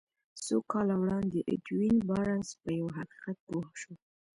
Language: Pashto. څو کاله وړاندې ايډوين بارنس په يوه حقيقت پوه شو.